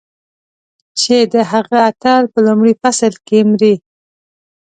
چې د هغه اتل په لومړي فصل کې مري.